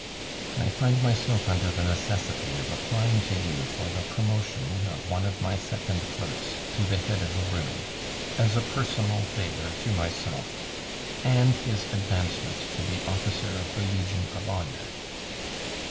"I find myself under the necessity of applying to you for the promotion of one of my second clerks to the head of a room as a personal favor to myself and his advancement to be officer of the Legion of Honor."